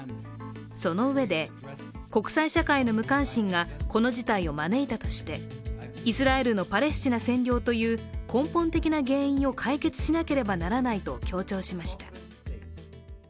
そのうえで、国際社会の無関心がこの事態を招いたとして、イスラエルのパレスチナ占領という根本的な原因を解決しなければならないと強調しました。